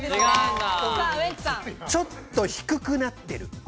ちょっと低くなってる。